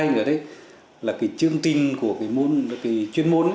là cái chương trình của cái chuyên môn